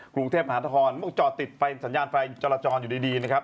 กรุงเทพฯมหาธรรมจอดติดสัญญาณไฟจราจรอยู่ดีนะครับ